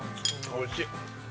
おいしい。